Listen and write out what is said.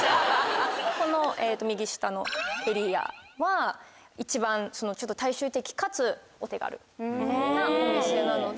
この右下のエリアは一番ちょっと大衆的かつお手軽なお店なので。